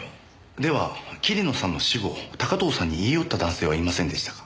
では桐野さんの死後高塔さんに言い寄った男性はいませんでしたか？